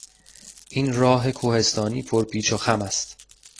این راه کوهستانی پر پیچ و خم است.